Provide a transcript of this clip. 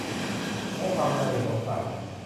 และความลังเลสงสัย